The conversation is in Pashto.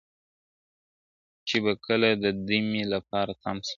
چي به کله د دمې لپاره تم سو `